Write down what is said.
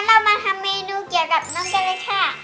เรามาทำเมนูเกี่ยวกับน้ำเจ็ดและแข้